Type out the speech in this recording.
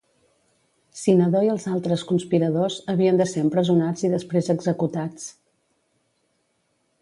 Cinadó i els altres conspiradors havien de ser empresonats i després executats.